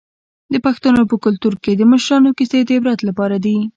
د پښتنو په کلتور کې د مشرانو کیسې د عبرت لپاره دي.